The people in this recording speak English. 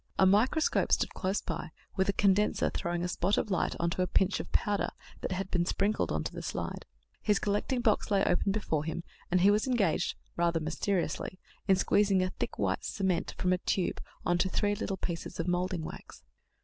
A microscope stood close by, with a condenser throwing a spot of light on to a pinch of powder that had been sprinkled on to the slide; his collecting box lay open before him, and he was engaged, rather mysteriously, in squeezing a thick white cement from a tube on to three little pieces of moulding wax.